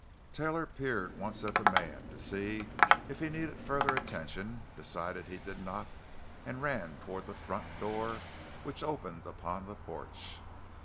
Taylor peered once at the man, to see if he needed further attention, decided he did not, and ran toward the front door, which opened upon the porch.